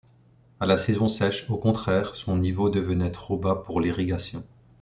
À la saison sèche, au contraire, son niveau devenait trop bas pour l'irrigation.